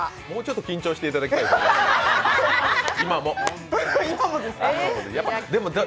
もうちょっと緊張していただきたいですね、今も。